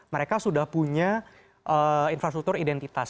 mereka sudah punya infrastruktur identitas